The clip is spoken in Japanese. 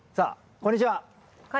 こんにちは！